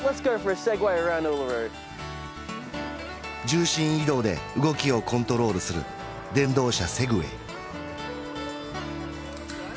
重心移動で動きをコントロールする電動車セグウェイ